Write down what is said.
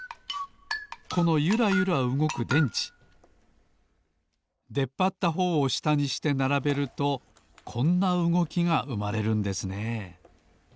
このゆらゆらうごく電池でっぱったほうをしたにしてならべるとこんなうごきがうまれるんですね